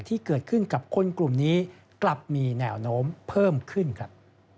ที่เกิดขึ้นกับคนกลุ่มนี้กลับมีแนวโน้มเพิ่มขึ้นครับ